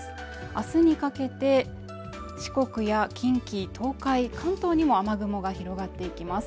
あすにかけて四国や近畿、東海、関東にも雨雲が広がっていきます。